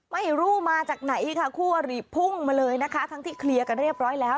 ไม่รู้มาจากไหนค่ะคู่อริพุ่งมาเลยนะคะทั้งที่เคลียร์กันเรียบร้อยแล้ว